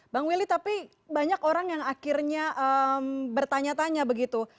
bang willy tapi banyak orang yang akhirnya bertanya tanya begitu